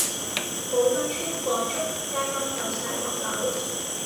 寶達邨火燭，街坊走曬落樓